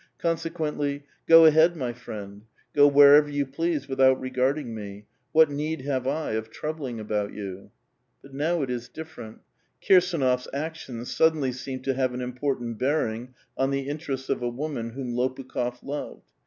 Consequently, " Go ahead, my friend! go wherever you please without regarding me. What need have I of troubling about you?" But now it is different. Kirsdnof's actions suddenly seem to have an important bearing on the interests of a woman whom Lopukh6f loved.